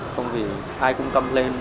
không vì ai cũng câm lên